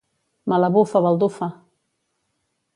Me la bufa, baldufa!